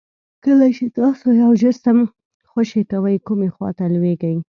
کله چې تاسو یو جسم خوشې کوئ کومې خواته لویږي؟